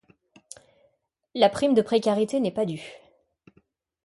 La prime de précarité n'est pas due.